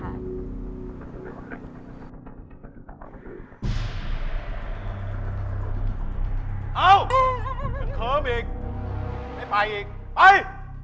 เอ้ามันเคิ้มอีกไม่ไปอีกไป